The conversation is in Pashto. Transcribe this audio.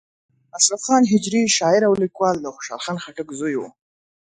اشرف خان هجري شاعر او لیکوال د خوشحال خان خټک زوی و.